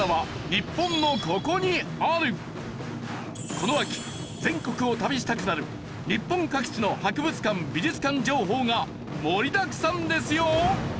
この秋全国を旅したくなる日本各地の博物館美術館情報が盛りだくさんですよ！